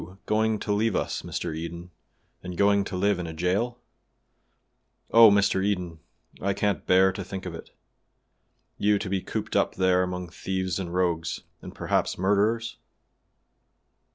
"You going to leave us, Mr. Eden, and going to live in a jail? Oh! Mr. Eden, I can't bear to think of it. You to be cooped up there among thieves and rogues, and perhaps murderers?"